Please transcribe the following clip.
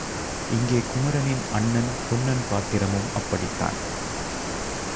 இங்கே குமரனின் அண்ணன் பொன்னன் பாத்திரமும் அப்படித்தான்.